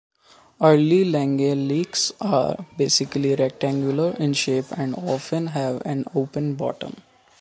Early langeleiks are basically rectangular in shape, and often have an open bottom.